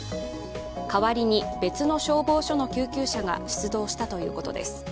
代わりに別の消防署の救急車が出動したということです。